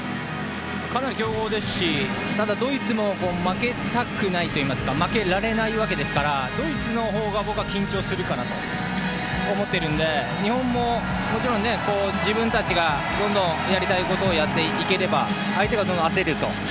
かなり強豪ですしただドイツも負けたくないというか負けられないわけですからドイツの方が僕は緊張していると思っているので日本も、もちろん自分たちがどんどんやりたいことをやっていければ相手がどんどん焦ると。